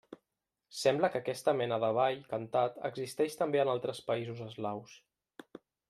Sembla que aquesta mena de ball cantat existeix també en altres països eslaus.